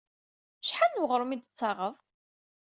Acḥal n weɣrum i d-tettaɣeḍ?